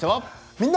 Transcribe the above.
「みんな！